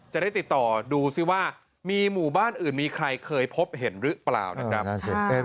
จะได้ติดต่อดูซิว่ามีหมู่บ้านอื่นมีใครเคยพบเห็นหรือเปล่านะครับ